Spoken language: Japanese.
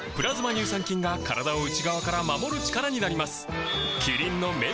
乳酸菌が体を内側から守る力になります